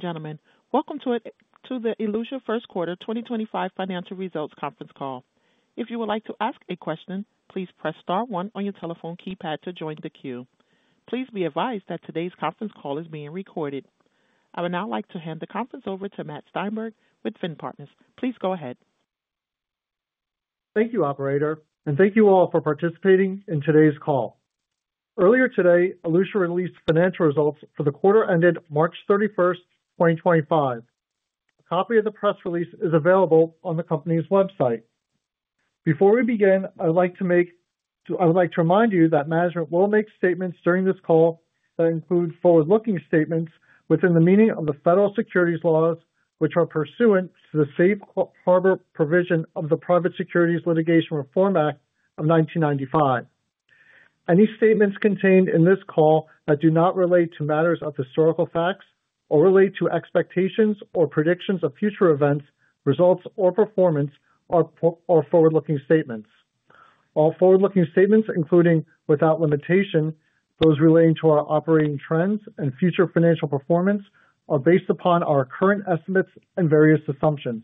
and gentlemen, welcome to the Elutia First Quarter 2025 Financial Results Conference Call. If you would like to ask a question, please press star one on your telephone keypad to join the queue. Please be advised that today's conference call is being recorded. I would now like to hand the conference over to Matt Steinberg with Finn Partners. Please go ahead. Thank you, Operator, and thank you all for participating in today's call. Earlier today, Elutia released financial results for the quarter ended March 31st 2025. A copy of the press release is available on the company's website. Before we begin, I would like to remind you that management will make statements during this call that include forward-looking statements within the meaning of the federal securities laws, which are pursuant to the Safe Harbor provision of the Private Securities Litigation Reform Act of 1995. Any statements contained in this call that do not relate to matters of historical facts or relate to expectations or predictions of future events, results, or performance are forward-looking statements. All forward-looking statements, including without limitation, those relating to our operating trends and future financial performance, are based upon our current estimates and various assumptions.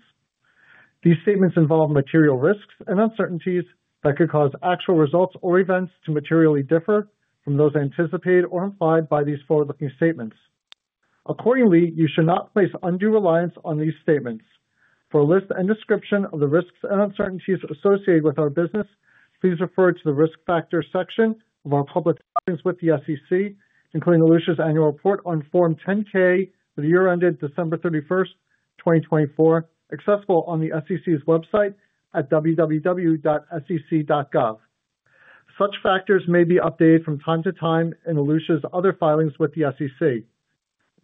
These statements involve material risks and uncertainties that could cause actual results or events to materially differ from those anticipated or implied by these forward-looking statements. Accordingly, you should not place undue reliance on these statements. For a list and description of the risks and uncertainties associated with our business, please refer to the risk factor section of our public filings with the SEC, including Elutia's annual report on Form 10-K, for the year ended December 31, 2024, accessible on the SEC's website at www.sec.gov. Such factors may be updated from time to time in Elutia's other filings with the SEC.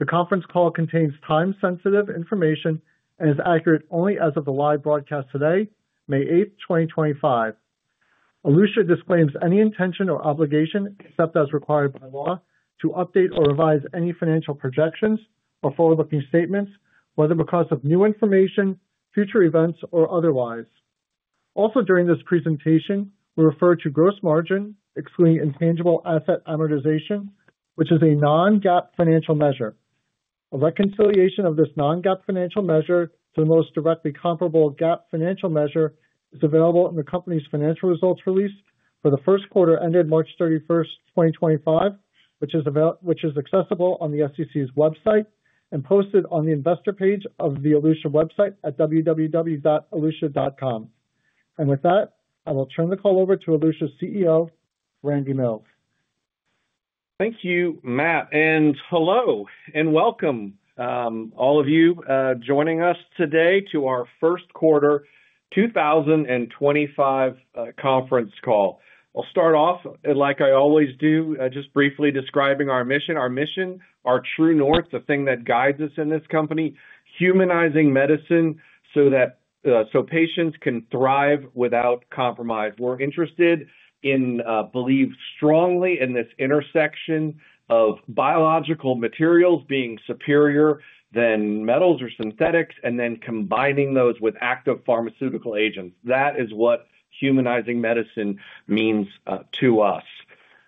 The conference call contains time-sensitive information and is accurate only as of the live broadcast today, May 8, 2025. Elutia disclaims any intention or obligation, except as required by law, to update or revise any financial projections or forward-looking statements, whether because of new information, future events, or otherwise. Also, during this presentation, we refer to gross margin, excluding intangible asset amortization, which is a non-GAAP financial measure. A reconciliation of this non-GAAP financial measure to the most directly comparable GAAP financial measure is available in the company's financial results release for the first quarter ended March 31, 2025, which is available—which is accessible on the SEC's website and posted on the investor page of the Elutia website at www.elutia.com. With that, I will turn the call over to Elutia's CEO, Randy Mills. Thank you, Matt. Hello and welcome, all of you, joining us today to our First Quarter 2025 conference call. I'll start off, like I always do, just briefly describing our mission. Our mission, our true north, the thing that guides us in this company, humanizing medicine so that, so patients can thrive without compromise. We're interested in, believe strongly in this intersection of biological materials being superior than metals or synthetics, and then combining those with active pharmaceutical agents. That is what humanizing medicine means, to us.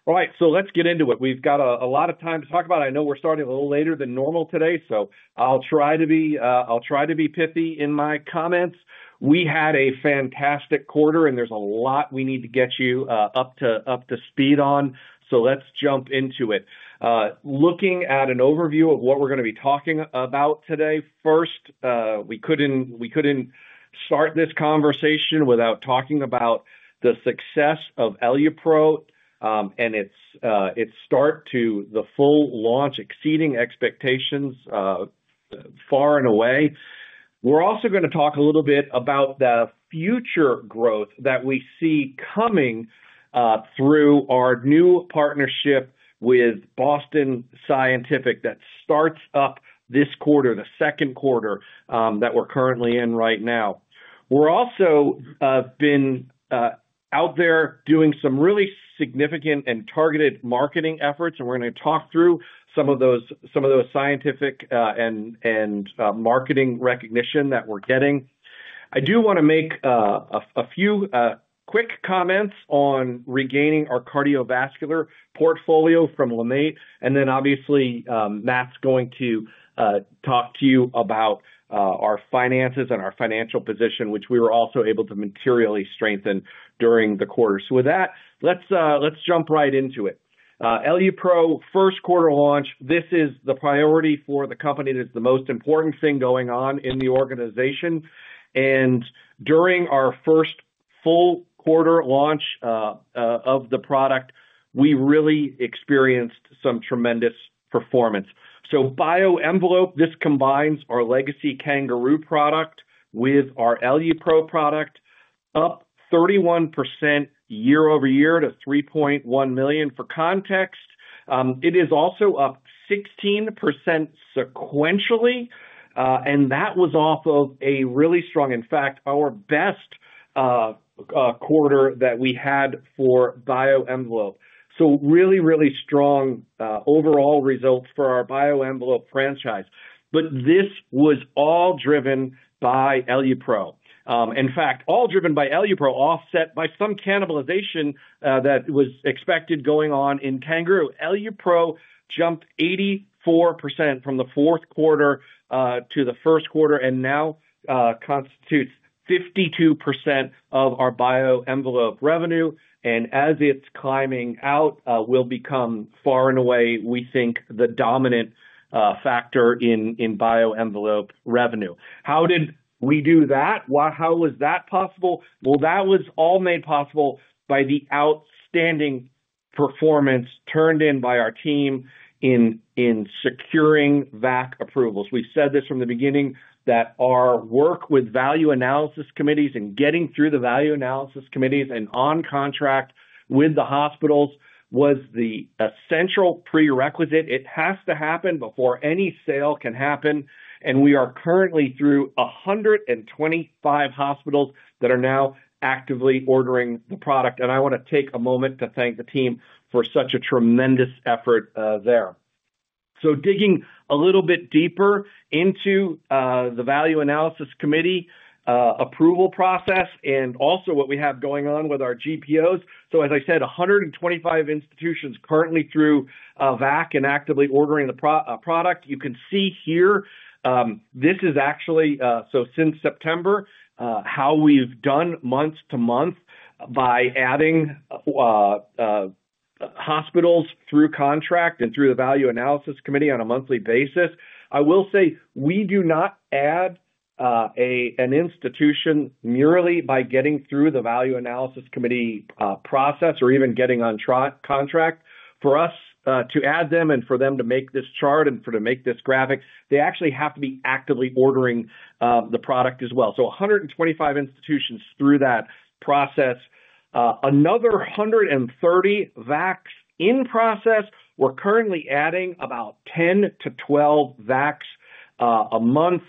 All right, let's get into it. We've got a lot of time to talk about. I know we're starting a little later than normal today, so I'll try to be, I'll try to be pithy in my comments. We had a fantastic quarter, and there's a lot we need to get you up to speed on, so let's jump into it. Looking at an overview of what we're going to be talking about today, first, we couldn't start this conversation without talking about the success of EluPro, and its start to the full launch, exceeding expectations, far and away. We're also going to talk a little bit about the future growth that we see coming through our new partnership with Boston Scientific that starts up this quarter, the second quarter, that we're currently in right now. We've also been out there doing some really significant and targeted marketing efforts, and we're going to talk through some of those scientific and marketing recognition that we're getting. I do want to make a few quick comments on regaining our cardiovascular portfolio from Linate, and then obviously, Matt's going to talk to you about our finances and our financial position, which we were also able to materially strengthen during the quarter. With that, let's jump right into it. EluPro, first quarter launch, this is the priority for the company. It is the most important thing going on in the organization. During our first full quarter launch of the product, we really experienced some tremendous performance. BioEnvelope, this combines our legacy CanGaroo product with our EluPro product, up 31% year-over-year to $3.1 million. For context, it is also up 16% sequentially, and that was off of a really strong, in fact, our best, quarter that we had for BioEnvelope. Really, really strong overall results for our BioEnvelope franchise. This was all driven by. In fact, all driven by EluPro, offset by some cannibalization that was expected going on in CanGaroo. EluPro jumped 84% from the fourth quarter to the first quarter, and now constitutes 52% of our BioEnvelope revenue. As it's climbing out, it will become far and away, we think, the dominant factor in BioEnvelope revenue. How did we do that? Why? How was that possible? That was all made possible by the outstanding performance turned in by our team in securing VAC approvals. We said this from the beginning, that our work with value analysis committees and getting through the value analysis committees and on contract with the hospitals was the essential prerequisite. It has to happen before any sale can happen. We are currently through 125 hospitals that are now actively ordering the product. I want to take a moment to thank the team for such a tremendous effort there. Digging a little bit deeper into the value analysis committee approval process, and also what we have going on with our GPOs. As I said, 125 institutions currently through VAC and actively ordering the product. You can see here, this is actually since September, how we have done month to month by adding hospitals through contract and through the value analysis committee on a monthly basis. I will say we do not add an institution merely by getting through the value analysis committee process or even getting on contract. For us to add them and for them to make this chart and for them to make this graphic, they actually have to be actively ordering the product as well. 125 institutions through that process, another 130 VACs in process. We're currently adding about 10-12 VACs a month.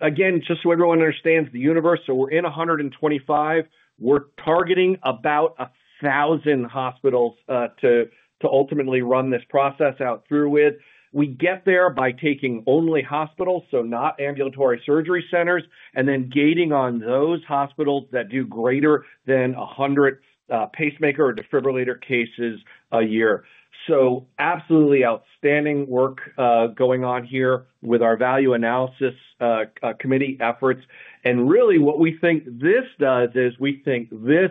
Again, just so everyone understands the universe, we're in 125. We're targeting about 1,000 hospitals to ultimately run this process out through with. We get there by taking only hospitals, so not ambulatory surgery centers, and then gating on those hospitals that do greater than 100 pacemaker or defibrillator cases a year. Absolutely outstanding work going on here with our value analysis committee efforts. Really what we think this does is we think this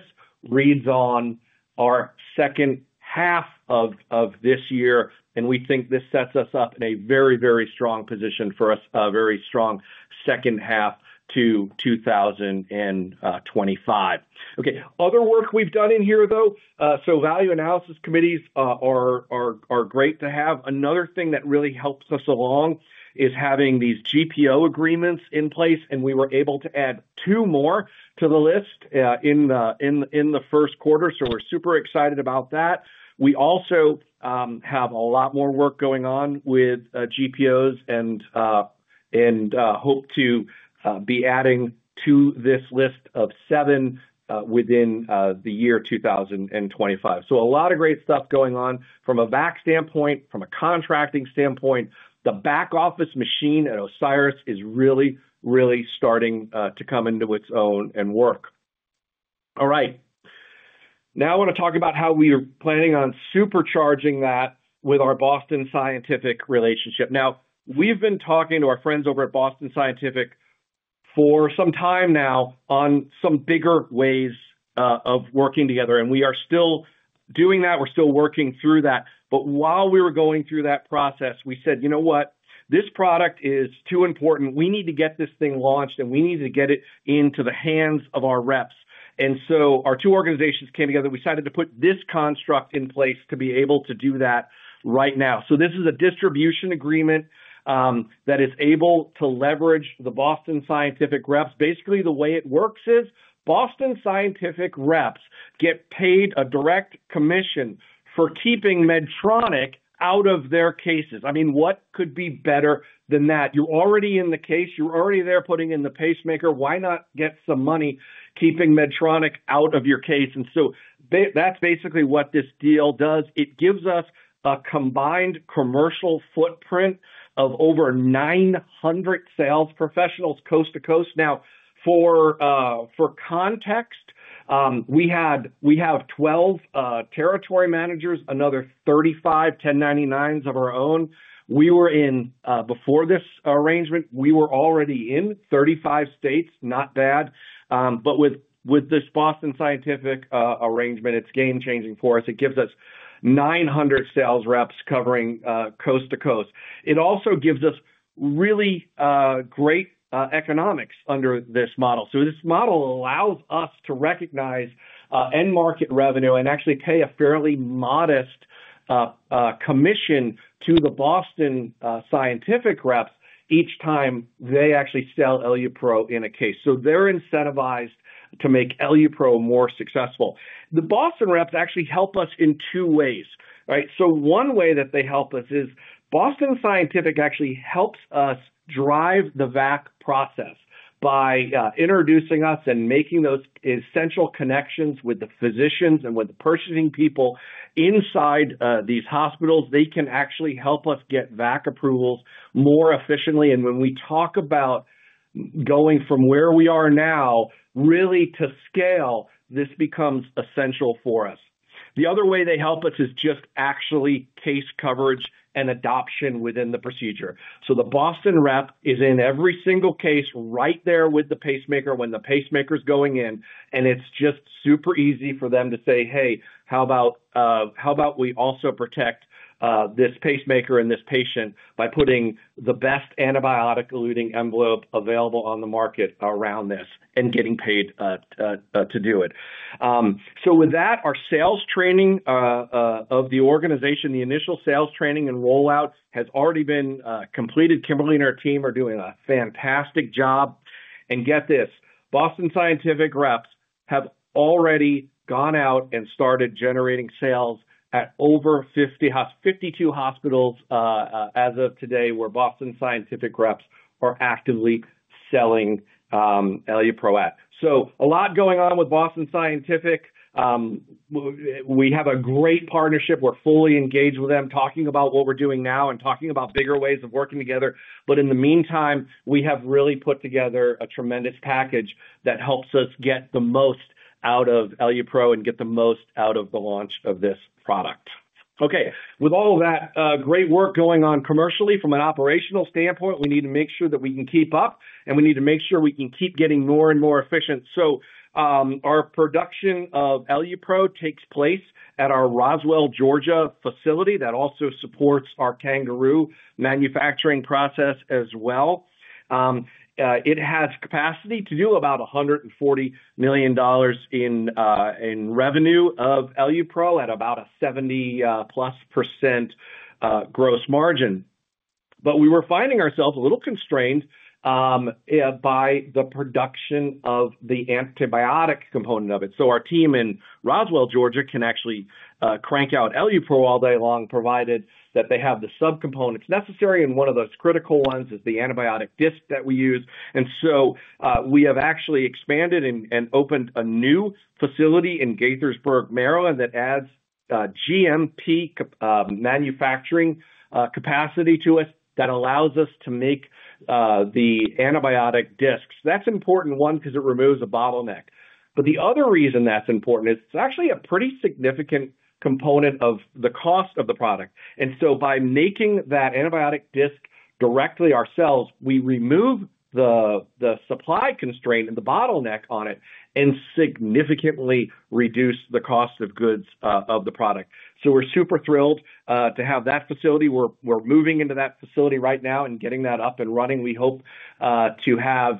reads on our second half of this year, and we think this sets us up in a very, very strong position for us, a very strong second half to 2025. Other work we've done in here, though, value analysis committees are great to have. Another thing that really helps us along is having these GPO agreements in place, and we were able to add two more to the list in the first quarter. We're super excited about that. We also have a lot more work going on with GPOs and hope to be adding to this list of seven within the year 2025. A lot of great stuff going on from a VAC standpoint, from a contracting standpoint. The back office machine at Elutia is really, really starting to come into its own and work. All right. Now I want to talk about how we are planning on supercharging that with our Boston Scientific relationship. We've been talking to our friends over at Boston Scientific for some time now on some bigger ways of working together, and we are still doing that. We're still working through that. While we were going through that process, we said, you know what? This product is too important. We need to get this thing launched, and we need to get it into the hands of our reps. Our two organizations came together. We decided to put this construct in place to be able to do that right now. This is a distribution agreement that is able to leverage the Boston Scientific reps. Basically, the way it works is Boston Scientific reps get paid a direct commission for keeping Medtronic out of their cases. I mean, what could be better than that? You're already in the case. You're already there putting in the pacemaker. Why not get some money keeping Medtronic out of your case? That's basically what this deal does. It gives us a combined commercial footprint of over 900 sales professionals coast to coast. Now, for context, we have 12 territory managers, another 35 1099s of our own. We were, before this arrangement, already in 35 states. Not bad. With this Boston Scientific arrangement, it's game-changing for us. It gives us 900 sales reps covering coast to coast. It also gives us really great economics under this model. This model allows us to recognize end market revenue and actually pay a fairly modest commission to the Boston Scientific reps each time they actually sell EluPro in a case. They're incentivized to make EluPro more successful. The Boston reps actually help us in two ways, right? One way that they help us is Boston Scientific actually helps us drive the VAC process by introducing us and making those essential connections with the physicians and with the purchasing people inside these hospitals. They can actually help us get VAC approvals more efficiently. When we talk about going from where we are now, really to scale, this becomes essential for us. The other way they help us is just actually case coverage and adoption within the procedure. The Boston rep is in every single case right there with the pacemaker when the pacemaker's going in, and it's just super easy for them to say, "Hey, how about, how about we also protect this pacemaker and this patient by putting the best antibiotic-eluting envelope available on the market around this and getting paid to do it." With that, our sales training of the organization, the initial sales training and rollout has already been completed. Kimberly and her team are doing a fantastic job. And get this, Boston Scientific reps have already gone out and started generating sales at over 50, 52 hospitals, as of today, where Boston Scientific reps are actively selling EluPro. A lot is going on with Boston Scientific. We have a great partnership. We're fully engaged with them, talking about what we're doing now and talking about bigger ways of working together. In the meantime, we have really put together a tremendous package that helps us get the most out of EluPro and get the most out of the launch of this product. Okay. With all of that great work going on commercially from an operational standpoint, we need to make sure that we can keep up, and we need to make sure we can keep getting more and more efficient. Our production of EluPro takes place at our Roswell, Georgia facility that also supports our CanGaroo manufacturing process as well. It has capacity to do about $140 million in revenue of EluPro at about a 70+ percent gross margin. We were finding ourselves a little constrained by the production of the antibiotic component of it. Our team in Roswell, Georgia can actually crank out EluPro all day long, provided that they have the subcomponents necessary. One of those critical ones is the antibiotic disc that we use. We have actually expanded and opened a new facility in Gaithersburg, Maryland that adds GMP manufacturing capacity to us that allows us to make the antibiotic discs. That is important, one, because it removes a bottleneck. The other reason that is important is it is actually a pretty significant component of the cost of the product. By making that antibiotic disc directly ourselves, we remove the supply constraint and the bottleneck on it and significantly reduce the cost of goods of the product. We are super thrilled to have that facility. We are moving into that facility right now and getting that up and running. We hope to have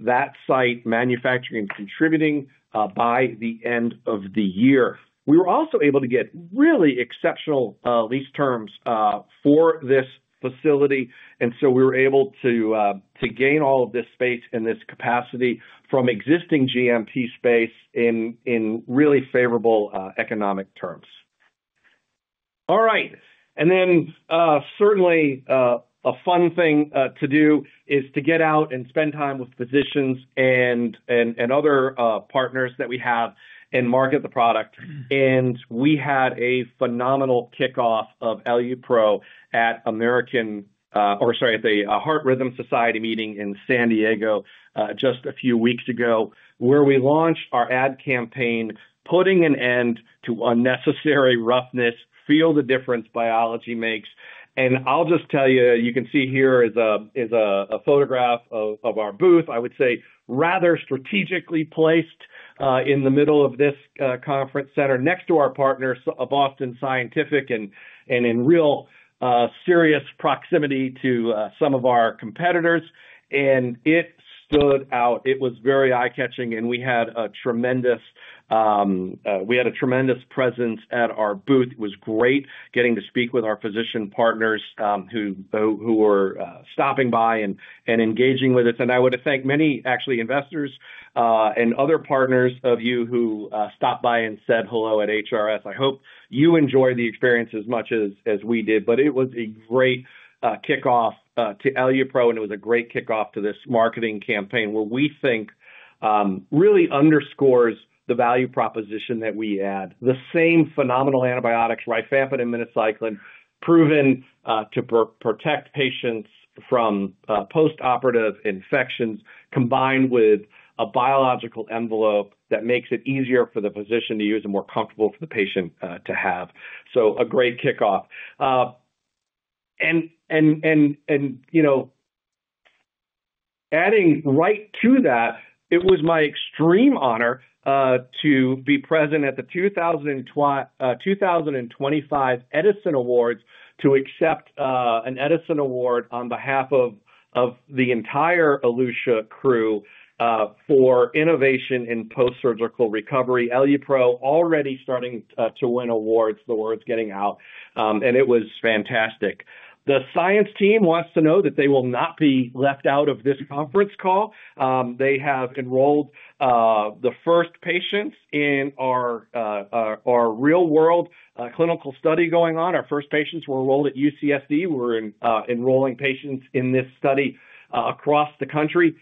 that site manufacturing and contributing by the end of the year. We were also able to get really exceptional lease terms for this facility. We were able to gain all of this space and this capacity from existing GMP space in really favorable economic terms. Certainly, a fun thing to do is to get out and spend time with physicians and other partners that we have and market the product. We had a phenomenal kickoff of EluPro at the Heart Rhythm Society meeting in San Diego just a few weeks ago, where we launched our ad campaign, putting an end to unnecessary roughness, feel the difference biology makes. I'll just tell you, you can see here is a photograph of our booth. I would say rather strategically placed in the middle of this conference center next to our partners at Boston Scientific and in real, serious proximity to some of our competitors. It stood out. It was very eye-catching, and we had a tremendous presence at our booth. It was great getting to speak with our physician partners, who were stopping by and engaging with us. I want to thank many investors and other partners of you who stopped by and said hello at HRS. I hope you enjoyed the experience as much as we did. It was a great kickoff to EluPro, and it was a great kickoff to this marketing campaign where we think it really underscores the value proposition that we add. The same phenomenal antibiotics, rifampin and minocycline, proven to protect patients from post-operative infections combined with a biological envelope that makes it easier for the physician to use and more comfortable for the patient to have. A great kickoff. And, you know, adding right to that, it was my extreme honor to be present at the 2025 Edison Awards to accept an Edison Award on behalf of the entire Elutia crew for innovation in post-surgical recovery. EluPro already starting to win awards. The word's getting out. It was fantastic. The science team wants to know that they will not be left out of this conference call. They have enrolled the first patients in our real-world clinical study going on. Our first patients were enrolled at UCSD. We're enrolling patients in this study across the country,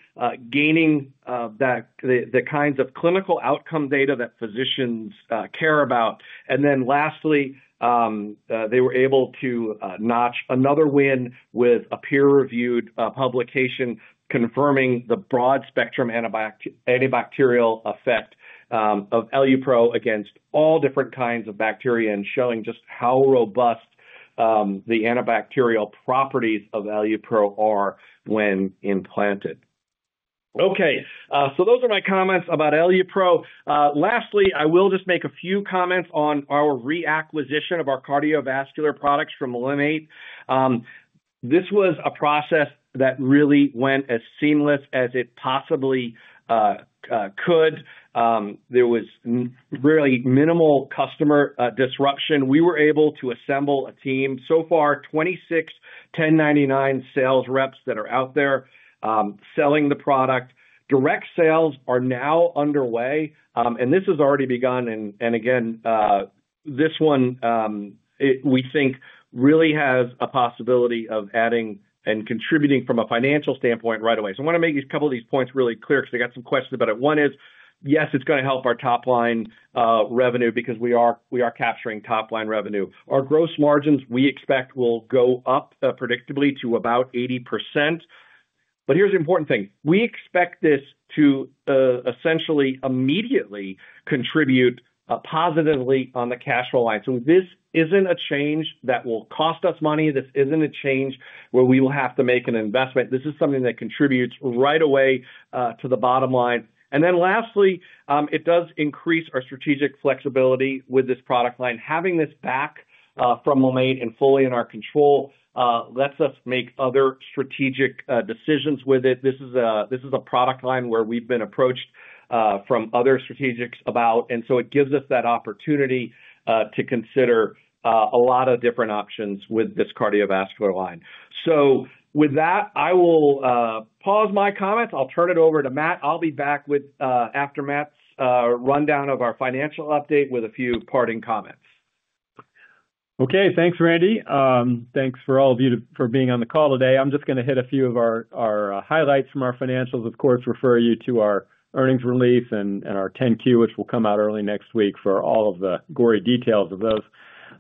gaining the kinds of clinical outcome data that physicians care about. Lastly, they were able to notch another win with a peer-reviewed publication confirming the broad-spectrum antibacterial effect of EluPro against all different kinds of bacteria and showing just how robust the antibacterial properties of EluPro are when implanted. Okay. Those are my comments about EluPro. Lastly, I will just make a few comments on our reacquisition of our cardiovascular products from Linate. This was a process that really went as seamless as it possibly could. There was really minimal customer disruption. We were able to assemble a team. So far, 26 1099 sales reps that are out there selling the product. Direct sales are now underway, and this has already begun. Again, this one, we think, really has a possibility of adding and contributing from a financial standpoint right away. I want to make these couple of these points really clear because I got some questions about it. One is, yes, it's going to help our topline, revenue because we are capturing topline revenue. Our gross margins we expect will go up predictably to about 80%. Here's the important thing. We expect this to, essentially immediately contribute, positively on the cash flow line. This isn't a change that will cost us money. This isn't a change where we will have to make an investment. This is something that contributes right away, to the bottom line. Lastly, it does increase our strategic flexibility with this product line. Having this back, from Linate and fully in our control, lets us make other strategic, decisions with it. This is a product line where we've been approached, from other strategic about. It gives us that opportunity to consider a lot of different options with this cardiovascular line. With that, I will pause my comments. I'll turn it over to Matt. I'll be back after Matt's rundown of our financial update with a few parting comments. Okay. Thanks, Randy. Thanks to all of you for being on the call today. I'm just going to hit a few of our highlights from our financials. Of course, refer you to our earnings release and our 10Q, which will come out early next week, for all of the gory details of those.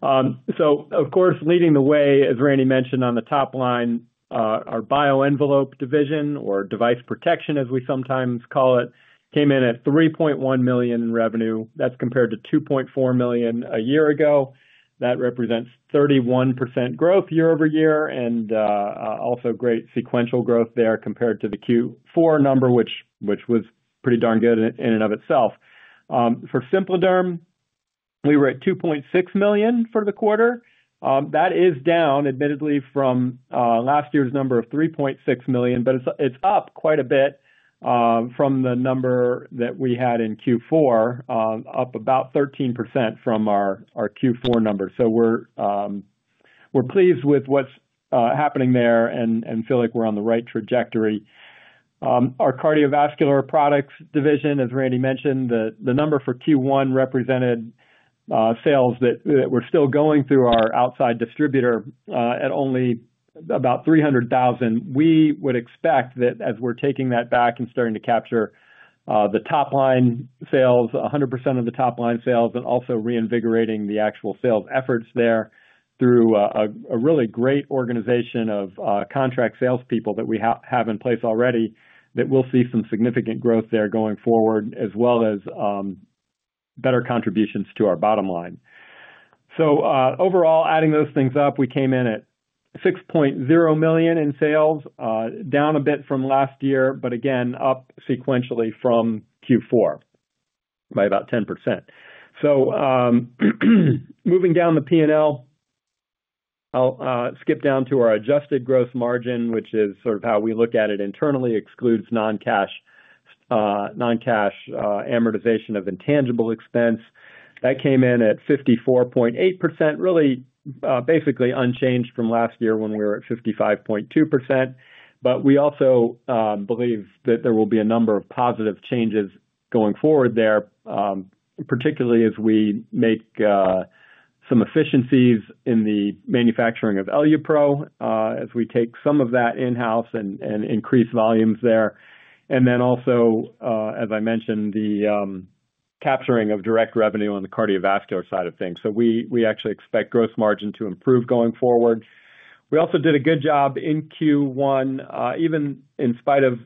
Of course, leading the way, as Randy mentioned, on the top line, our BioEnvelope division, or device protection as we sometimes call it, came in at 3.1 million in revenue. That's compared to 2.4 million a year ago. That represents 31% growth year over year and, also great sequential growth there compared to the Q4 number, which was pretty darn good in and of itself. For SimpliDerm, we were at $2.6 million for the quarter. That is down, admittedly, from last year's number of $3.6 million, but it's up quite a bit from the number that we had in Q4, up about 13% from our Q4 number. We're pleased with what's happening there and feel like we're on the right trajectory. Our cardiovascular products division, as Randy mentioned, the number for Q1 represented sales that were still going through our outside distributor, at only about 300,000. We would expect that as we're taking that back and starting to capture the topline sales, 100% of the topline sales, and also reinvigorating the actual sales efforts there through a really great organization of contract salespeople that we have in place already, that we'll see some significant growth there going forward, as well as better contributions to our bottom line. Overall, adding those things up, we came in at $6.0 million in sales, down a bit from last year, but again, up sequentially from Q4 by about 10%. Moving down the P&L, I'll skip down to our adjusted gross margin, which is sort of how we look at it internally, excludes non-cash amortization of intangible expense. That came in at 54.8%, really basically unchanged from last year when we were at 55.2%. We also believe that there will be a number of positive changes going forward there, particularly as we make some efficiencies in the manufacturing of EluPro, as we take some of that in-house and increase volumes there. Also, as I mentioned, the capturing of direct revenue on the cardiovascular side of things. We actually expect gross margin to improve going forward. We also did a good job in Q1, even in spite of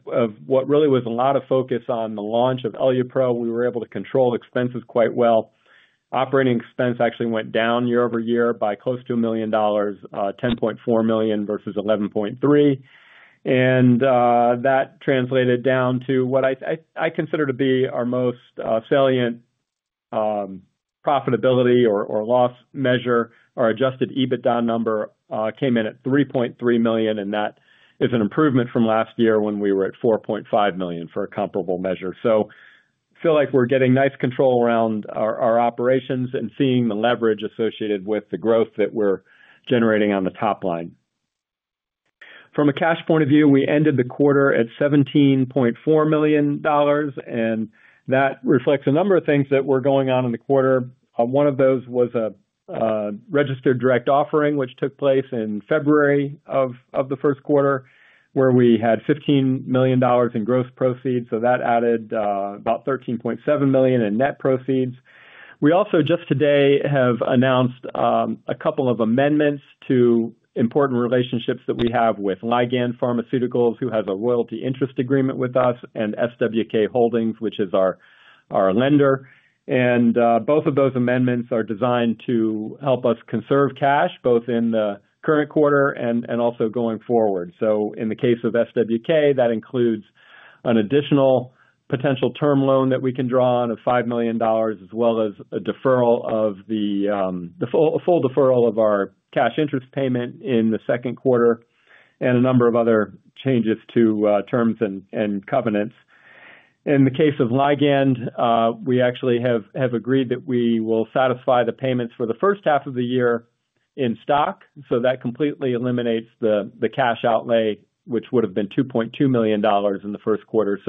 what really was a lot of focus on the launch of EluPro, we were able to control expenses quite well. Operating expense actually went down year over year by close to $1 million, $10.4 million versus $11.3 million. That translated down to what I consider to be our most salient profitability or loss measure, our adjusted EBITDA number, came in at $3.3 million. That is an improvement from last year when we were at $4.5 million for a comparable measure. I feel like we're getting nice control around our operations and seeing the leverage associated with the growth that we're generating on the top line. From a cash point of view, we ended the quarter at $17.4 million, and that reflects a number of things that were going on in the quarter. One of those was a registered direct offering, which took place in February of the first quarter, where we had $15 million in gross proceeds. That added about $13.7 million in net proceeds. We also just today have announced a couple of amendments to important relationships that we have with Ligand Pharmaceuticals, who has a royalty interest agreement with us, and SWK Holdings, which is our lender. Both of those amendments are designed to help us conserve cash both in the current quarter and also going forward. In the case of SWK, that includes an additional potential term loan that we can draw on of $5 million, as well as the full deferral of our cash interest payment in the second quarter and a number of other changes to terms and covenants. In the case of Ligand, we actually have agreed that we will satisfy the payments for the first half of the year in stock. That completely eliminates the cash outlay, which would have been $2.2 million in the first quarter.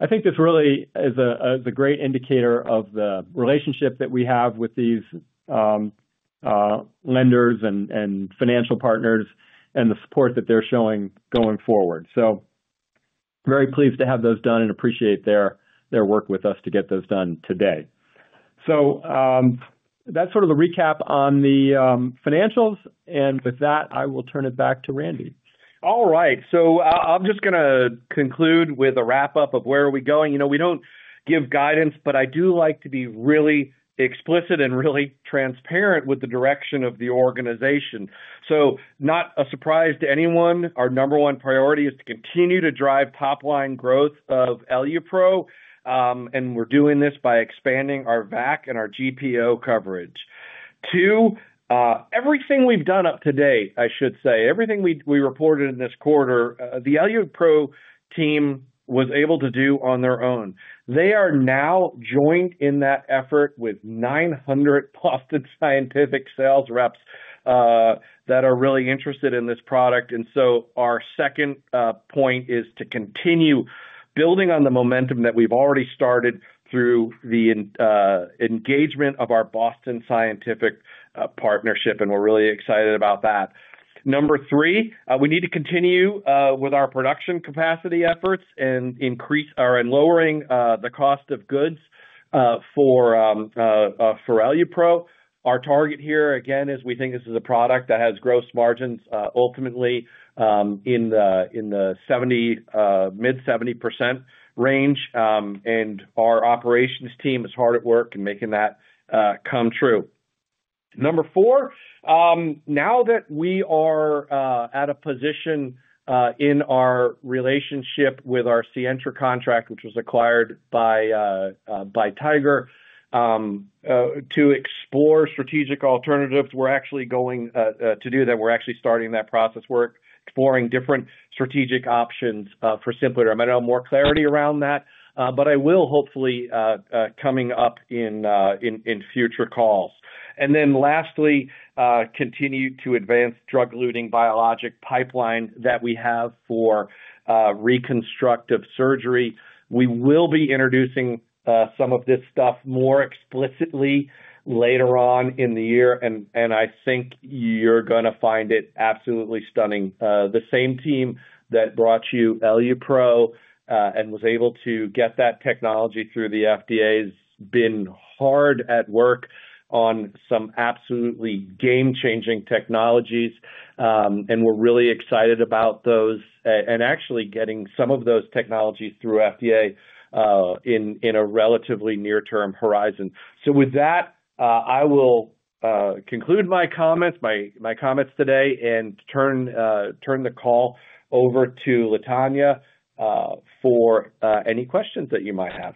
I think this really is a great indicator of the relationship that we have with these lenders and financial partners and the support that they are showing going forward. Very pleased to have those done and appreciate their work with us to get those done today. That's sort of the recap on the financials. With that, I will turn it back to Randy. All right. I'm just going to conclude with a wrap-up of where are we going. You know, we don't give guidance, but I do like to be really explicit and really transparent with the direction of the organization. Not a surprise to anyone. Our number one priority is to continue to drive topline growth of EluPro, and we're doing this by expanding our VAC and our GPO coverage. Two, everything we've done up to date, I should say, everything we reported in this quarter, the EluPro team was able to do on their own. They are now joined in that effort with 900 Boston Scientific sales reps that are really interested in this product. Our second point is to continue building on the momentum that we've already started through the engagement of our Boston Scientific partnership. We're really excited about that. Number three, we need to continue with our production capacity efforts and increase our and lowering the cost of goods for EluPro. Our target here, again, is we think this is a product that has gross margins, ultimately, in the mid 70% range. Our operations team is hard at work and making that come true. Number four, now that we are at a position in our relationship with our Sientra contract, which was acquired by Tiger, to explore strategic alternatives, we're actually going to do that. We're actually starting that process work, exploring different strategic options, for SimpliDerm. I do not know more clarity around that, but I will hopefully, coming up in future calls. Lastly, continue to advance drug-eluting biologic pipeline that we have for reconstructive surgery. We will be introducing some of this stuff more explicitly later on in the year. I think you're going to find it absolutely stunning. The same team that brought you EluPro, and was able to get that technology through the FDA, has been hard at work on some absolutely game-changing technologies. We're really excited about those and actually getting some of those technologies through FDA in a relatively near-term horizon. With that, I will conclude my comments today, and turn the call over to Latanya for any questions that you might have.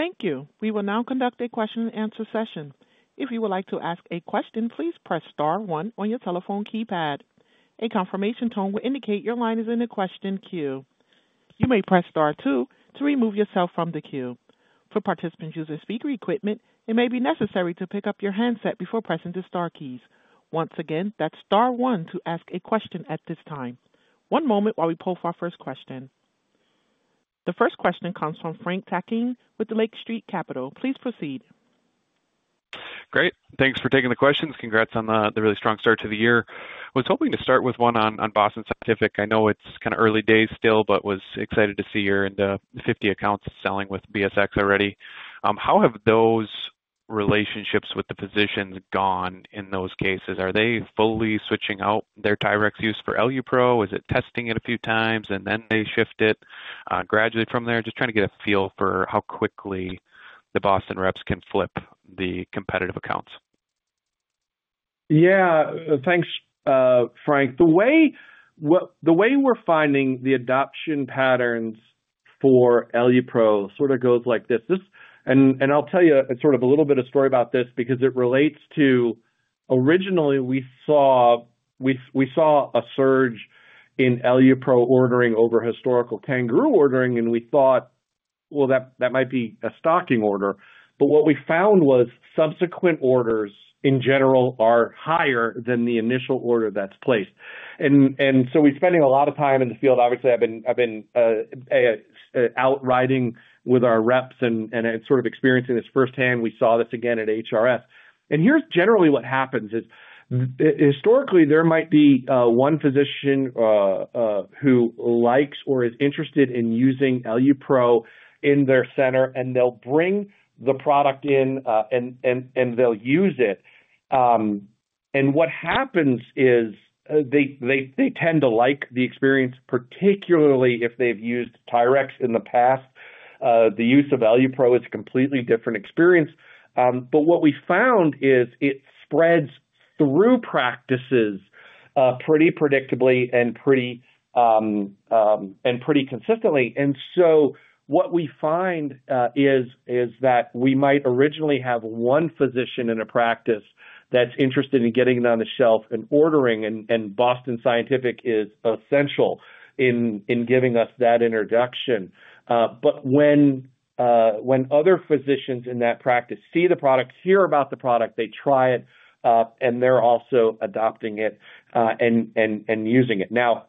Thank you. We will now conduct a question-and-answer session. If you would like to ask a question, please press Star one on your telephone keypad. A confirmation tone will indicate your line is in a question queue. You may press Star two to remove yourself from the queue. For participants using speaker equipment, it may be necessary to pick up your handset before pressing the Star keys. Once again, that's Star one to ask a question at this time. One moment while we pull for our first question. The first question comes from Frank Takkinen with Lake Street Capital. Please proceed. Great. Thanks for taking the questions. Congrats on the really strong start to the year. I was hoping to start with one on Boston Scientific. I know it's kind of early days still, but was excited to see your end of 50 accounts selling with BSX already. How have those relationships with the physicians gone in those cases? Are they fully switching out their TYRX use for EluPro? Is it testing it a few times and then they shift it, gradually from there? Just trying to get a feel for how quickly the Boston reps can flip the competitive accounts. Yeah. Thanks, Frank. The way we're finding the adoption patterns for EluPro sort of goes like this. I'll tell you a little bit of a story about this because it relates to originally we saw a surge in EluPro ordering over historical CanGaroo ordering. We thought that might be a stocking order. What we found was subsequent orders in general are higher than the initial order that's placed. We're spending a lot of time in the field. Obviously, I've been out riding with our reps and sort of experiencing this firsthand. We saw this again at HRS. Here's generally what happens. Historically, there might be one physician who likes or is interested in using EluPro in their center, and they'll bring the product in, and they'll use it. What happens is they tend to like the experience, particularly if they've used TYRX in the past. The use of EluPro is a completely different experience. What we found is it spreads through practices pretty predictably and pretty consistently. What we find is that we might originally have one physician in a practice that's interested in getting it on the shelf and ordering. Boston Scientific is essential in giving us that introduction. When other physicians in that practice see the product, hear about the product, they try it, and they're also adopting it and using it. Now,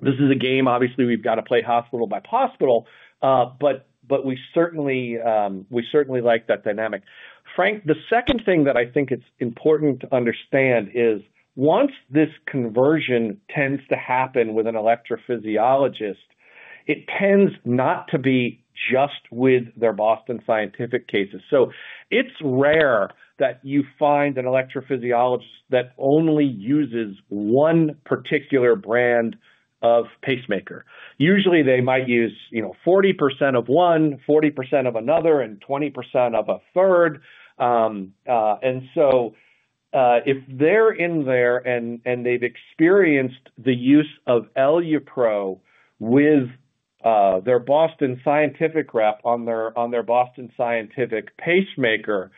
this is a game. Obviously, we've got to play hospital by hospital. We certainly like that dynamic. Frank, the second thing that I think it's important to understand is once this conversion tends to happen with an electrophysiologist, it tends not to be just with their Boston Scientific cases. It's rare that you find an electrophysiologist that only uses one particular brand of pacemaker. Usually, they might use, you know, 40% of one, 40% of another, and 20% of a third. If they're in there and they've experienced the use of EluPro with their Boston Scientific rep on their Boston Scientific pacemaker,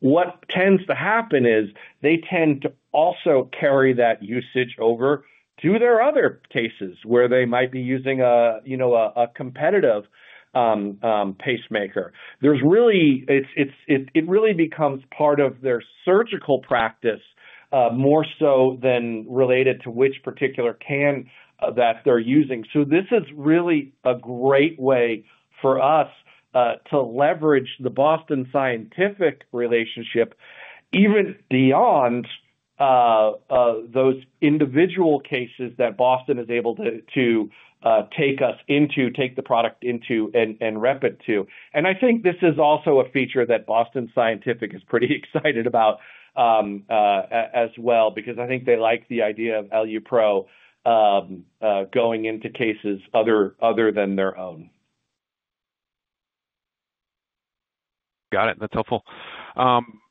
what tends to happen is they tend to also carry that usage over to their other cases where they might be using a, you know, a competitive pacemaker. It really becomes part of their surgical practice, more so than related to which particular can that they're using. This is really a great way for us to leverage the Boston Scientific relationship even beyond those individual cases that Boston is able to take us into, take the product into, and rep it to. I think this is also a feature that Boston Scientific is pretty excited about as well, because I think they like the idea of EluPro going into cases other than their own. Got it. That's helpful.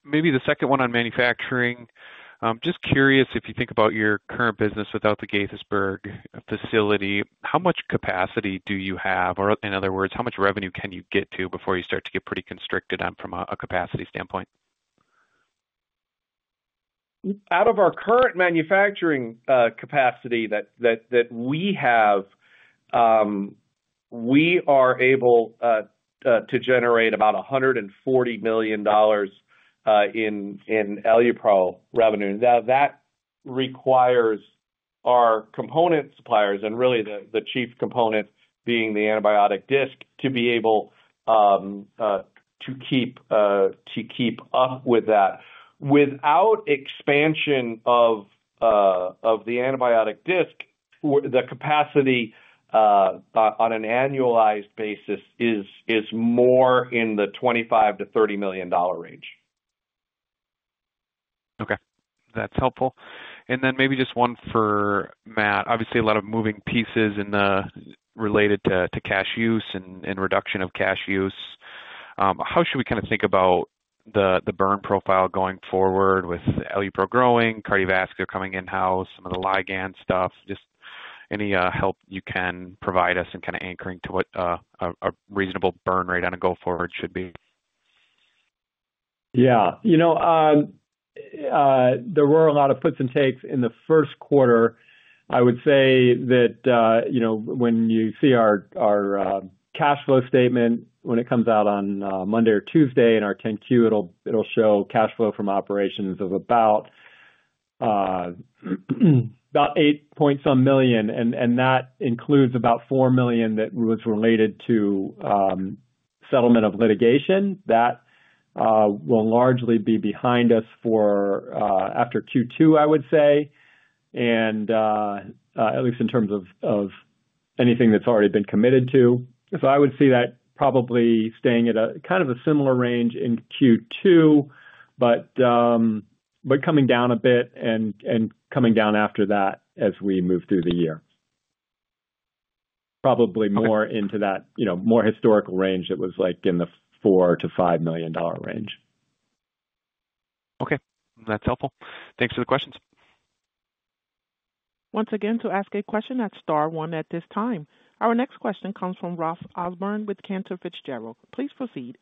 Maybe the second one on manufacturing. Just curious if you think about your current business without the Gaithersburg facility, how much capacity do you have? Or in other words, how much revenue can you get to before you start to get pretty constricted from a capacity standpoint? Out of our current manufacturing capacity that we have, we are able to generate about $140 million in EluPro revenue. Now, that requires our component suppliers and really the chief component being the antibiotic disc to be able to keep up with that. Without expansion of the antibiotic disc, the capacity on an annualized basis is more in the $25 million-$30 million range. Okay. That's helpful. And then maybe just one for Matt. Obviously, a lot of moving pieces related to cash use and reduction of cash use. How should we kind of think about the burn profile going forward with EluPro growing, cardiovascular coming in-house, some of the Ligand stuff? Just any help you can provide us in kind of anchoring to what a reasonable burn rate on a go-forward should be. Yeah. You know, there were a lot of puts and takes in the first quarter. I would say that, you know, when you see our cash flow statement when it comes out on Monday or Tuesday in our 10-Q, it'll show cash flow from operations of about 8 million. And that includes about 4 million that was related to settlement of litigation. That will largely be behind us after Q2, I would say. At least in terms of anything that's already been committed to, I would see that probably staying at a kind of a similar range in Q2, but coming down a bit and coming down after that as we move through the year. Probably more into that, you know, more historical range that was like in the $4 million-$5 million range. Okay. That's helpful. Thanks for the questions. Once again, to ask a question, that's Star 1 at this time. Our next question comes from Ross Osborn with Cantor Fitzgerald. Please proceed.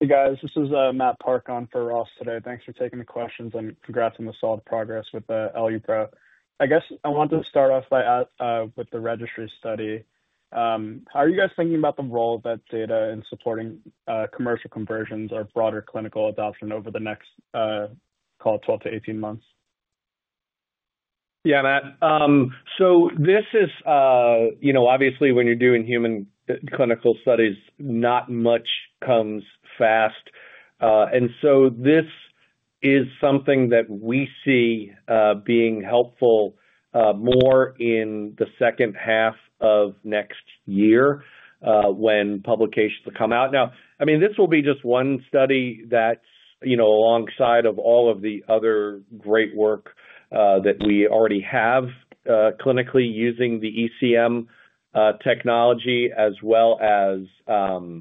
Hey, guys. This is Matt Park on for Ross today. Thanks for taking the questions and congrats on the solid progress with EluPro. I guess I want to start off by, with the registry study. How are you guys thinking about the role of that data in supporting commercial conversions or broader clinical adoption over the next, call it, 12 - 18 months? Yeah, Matt. This is, you know, obviously when you're doing human clinical studies, not much comes fast. This is something that we see being helpful more in the second half of next year, when publications will come out. I mean, this will be just one study that's, you know, alongside all of the other great work that we already have clinically using the ECM technology as well as the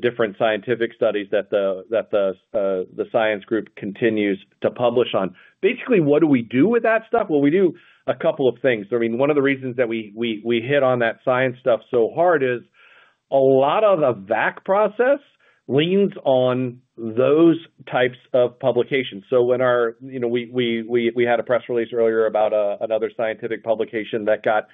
different scientific studies that the science group continues to publish on. Basically, what do we do with that stuff? We do a couple of things. I mean, one of the reasons that we hit on that science stuff so hard is a lot of the VAC process leans on those types of publications. So when our, you know, we had a press release earlier about another scientific publication that got,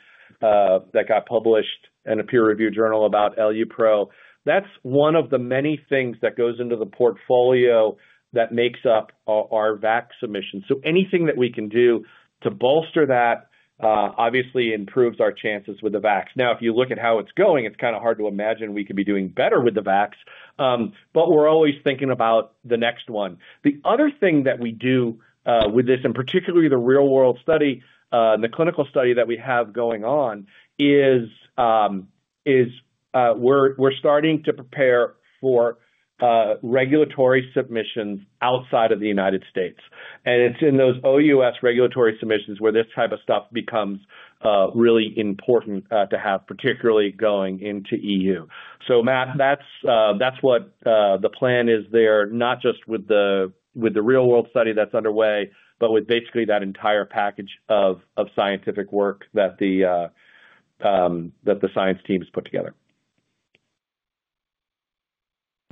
that got published in a peer-reviewed journal about EluPro, that's one of the many things that goes into the portfolio that makes up our VAC submission. So anything that we can do to bolster that, obviously improves our chances with the VACs. Now, if you look at how it's going, it's kind of hard to imagine we could be doing better with the VACs. but we're always thinking about the next one. The other thing that we do with this, and particularly the real-world study and the clinical study that we have going on, is we're starting to prepare for regulatory submissions outside of the United States. It is in those OUS regulatory submissions where this type of stuff becomes really important to have, particularly going into EU. Matt, that's what the plan is there, not just with the real-world study that's underway, but with basically that entire package of scientific work that the science team has put together.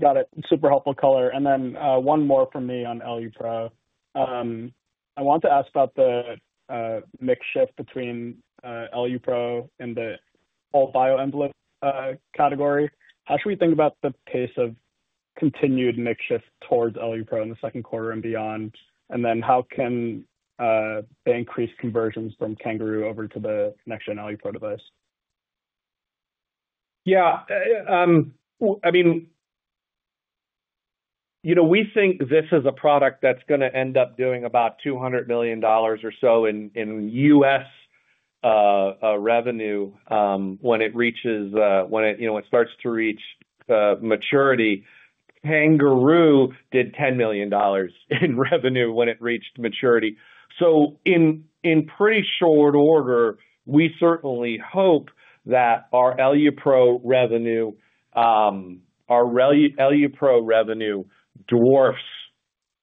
Got it. Super helpful color. One more from me on EluPro. I want to ask about the mix shift between EluPro and the whole BioEnvelope category. How should we think about the pace of continued mix shift towards EluPro in the second quarter and beyond? How can they increase conversions from CanGaroo over to the next-gen EluPro device? Yeah. I mean, you know, we think this is a product that's going to end up doing about $200 million or so in U.S. revenue when it reaches, when it, you know, it starts to reach maturity. CanGaroo did $10 million in revenue when it reached maturity. In pretty short order, we certainly hope that our EluPro revenue, our EluPro revenue dwarfs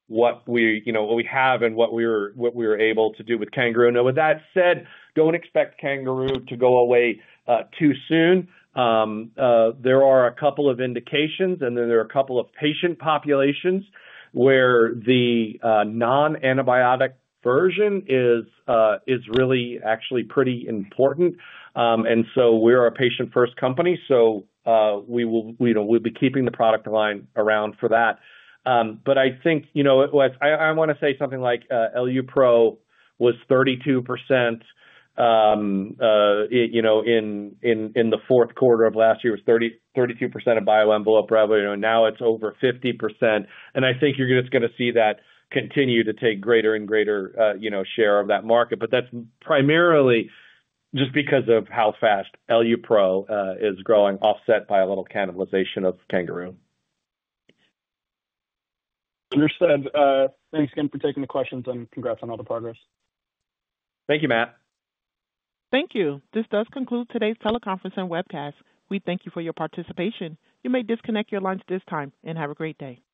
what we, you know, what we have and what we were able to do with CanGaroo. Now, with that said, don't expect CanGaroo to go away too soon. There are a couple of indications, and then there are a couple of patient populations where the non-antibiotic version is really actually pretty important. We are a patient-first company. We will, you know, we'll be keeping the product line around for that. I think, you know, I want to say something like, EluPro was 32% in the fourth quarter of last year, was 30-32% of BioEnvelope revenue. Now it's over 50%. I think you're just going to see that continue to take greater and greater, you know, share of that market. That's primarily just because of how fast EluPro is growing, offset by a little cannibalization of CanGaroo. Understood. Thanks again for taking the questions and congrats on all the progress. Thank you, Matt. Thank you. This does conclude today's teleconference and webcast. We thank you for your participation. You may disconnect your lines at this time and have a great day. Good.